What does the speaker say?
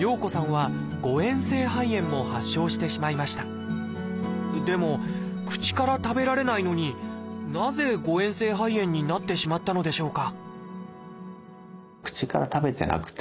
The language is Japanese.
さらにでも口から食べられないのになぜ誤えん性肺炎になってしまったのでしょうか？